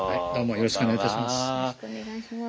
よろしくお願いします。